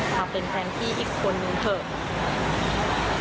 มาเป็นแฟนพี่อีกคนนึงเถอะ